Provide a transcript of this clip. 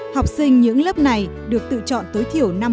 học sinh những lớp này được tự chọn tối thiểu năm mươi